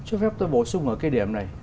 chưa phép tôi bổ sung ở cái điểm này